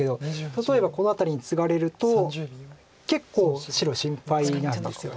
例えばこの辺りにツガれると結構白心配なんですよね。